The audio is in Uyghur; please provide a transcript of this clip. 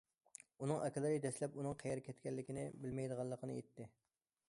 ئۇنىڭ ئاكىلىرى دەسلەپ ئۇنىڭ قەيەرگە كەتكەنلىكىنى بىلمەيدىغانلىقىنى ئېيتتى.